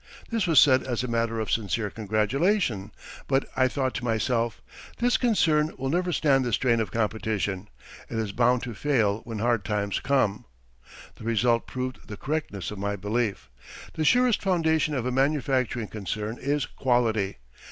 This was said as a matter of sincere congratulation, but I thought to myself: "This concern will never stand the strain of competition; it is bound to fail when hard times come." The result proved the correctness of my belief. The surest foundation of a manufacturing concern is quality.